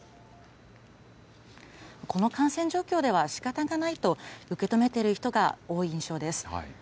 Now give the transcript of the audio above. この感染状況ではしかたがないと受け止めている人が多い印象です。